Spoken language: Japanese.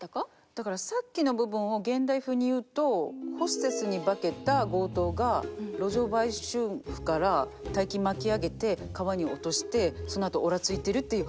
だからさっきの部分を現代風に言うとホステスに化けた強盗が路上売春婦から大金巻き上げて川に落としてそのあと「俺はついている」っていう